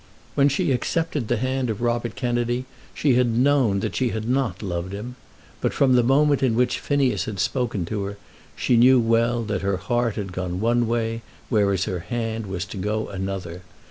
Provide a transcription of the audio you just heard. When she accepted the hand of Robert Kennedy she had known that she had not loved him; but from the moment in which Phineas had spoken to her, she knew well that her heart had gone one way, whereas her hand was to go another.